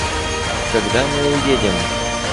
Когда мы уедем?